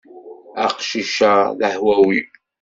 Aqcic-a d ahwawi.